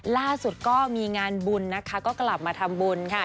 ล่าสุดก็มีงานบุญนะคะก็กลับมาทำบุญค่ะ